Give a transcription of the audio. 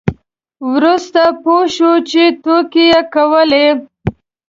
وروسته پوه شو چې ټوکې یې کولې.